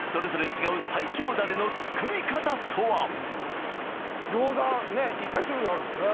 違う最強ダレの作り方とは餃子いっぱい種類あるんですね